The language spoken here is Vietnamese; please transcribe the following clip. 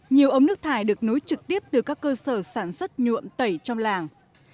nhiều ống nước thải được nối trực tiếp từ các cơ sở sản xuất nhuộm tẩy trong làng